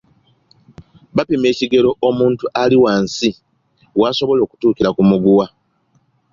Bapima ekigero omuntu ali wansi w’asobola okutuukira ku muguwa.